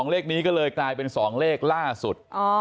เลขนี้ก็เลยกลายเป็น๒เลขล่าสุด